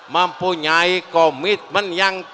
mempunyai komitmen yang sangat